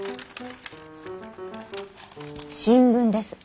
新聞です。